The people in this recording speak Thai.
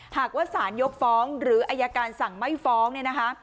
หากว่าสารยกฟ้องหรืออายการสั่งไม่ฟ้องเนี่ยนะคะ